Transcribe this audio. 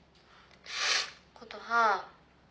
琴葉。